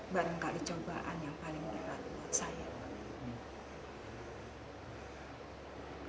barangkali cobaan yang paling berat buat saya